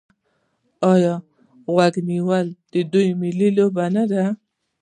آیا غیږ نیول د دوی ملي لوبه نه ده؟